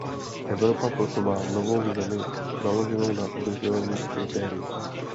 Evropa proto má novou zemi založenou na udržitelných kritériích.